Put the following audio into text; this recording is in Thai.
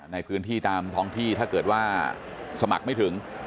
ในพื้นที่ตามท้องที่ถ้าเกิดว่าสมัครไม่ถึง